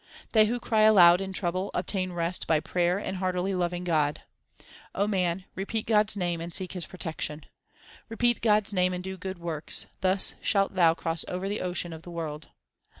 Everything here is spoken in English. They who cry aloud in trouble obtain rest by prayer and heartily loving God. O man, repeat God s name and seek His protection. Repeat God s name and do good works ; thus shalt thou cross over the ocean of the world.